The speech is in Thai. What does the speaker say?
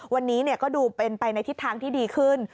วันนี้ก็ดูเป็นไปในทิศทางที่ดีขึ้น